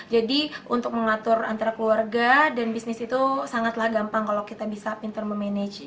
jadi untuk mengatur antara keluarga dan bisnis itu sangatlah gampang kalau kita bisa pintar memanage